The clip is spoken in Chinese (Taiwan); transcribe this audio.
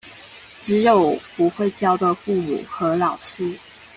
只有不會教的父母和老師